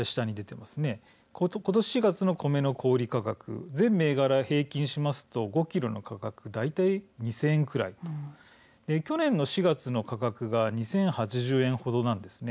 ことし４月の米の小売価格全銘柄、平均しますと５ｋｇの価格大体２０００円くらい去年の４月の価格が２０８０円ほどなんですね。